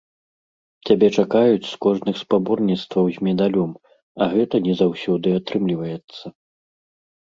Цябе чакаюць з кожных спаборніцтваў з медалём, а гэта не заўсёды атрымліваецца.